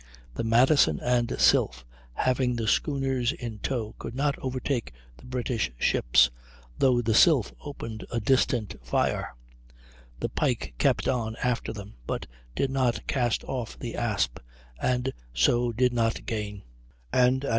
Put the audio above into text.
The Madison and Sylph, having the schooners in tow, could not overtake the British ships, though the Sylph opened a distant fire; the Pike kept on after them, but did not cast off the Asp, and so did not gain; and at 3.